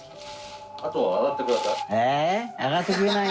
あとは洗ってください。